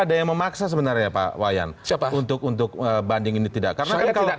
ada yang memaksa sebenarnya pak wayan siapa untuk untuk banding ini tidak karena kalau